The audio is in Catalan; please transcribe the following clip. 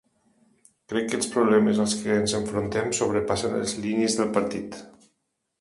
Crec que els problemes als que ens enfrontem sobrepassen les línies del partit.